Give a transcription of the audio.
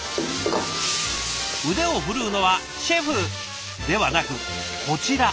腕を振るうのはシェフ！ではなくこちら。